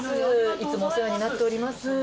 いつもお世話になっております。